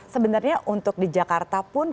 sebenarnya untuk di jakarta pun